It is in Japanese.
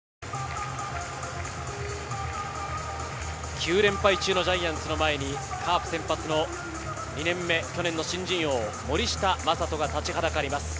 ９連敗中のジャイアンツの前に、カープ先発の２年目、去年の新人王・森下暢仁が立ちはだかります。